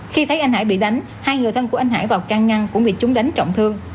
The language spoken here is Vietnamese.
khi thấy anh hải bị đánh hai người thân của anh hải vào can ngăn cũng bị chúng đánh trọng thương